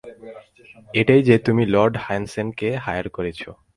এটাই যে, তুমিই লয়েড হ্যানসেনকে হায়ার করেছ?